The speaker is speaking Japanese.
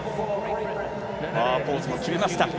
ポーズも決めました。